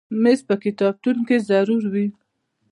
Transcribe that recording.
مېز په کتابتون کې ضرور وي.